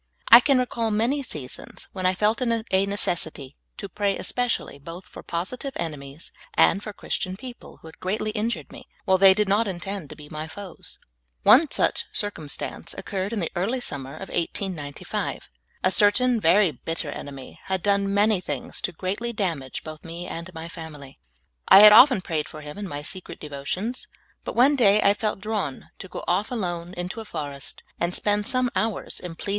I can recall many seasons when I felt it a necessit}^ to pray espe cially both for positive enemies and for Christian peo ple, who had greatl}^ injured me, while they did not intend to be my foes. One such circumstance oc cured in the early summer of 1895. A certain very bitter enemy had done many things to greatly damage both me and my famil}^ I had often prayed for him in m}^ secret devotions, but one day I felt drawn to go off alone into a forest and spend some hours in plead PRAYING FOR AN ENKMY.